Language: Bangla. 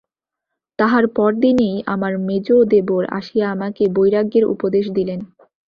তাহার পরদিনেই আমার মেজো দেবর আসিয়া আমাকে বৈরাগ্যের উপদেশ দিলেন।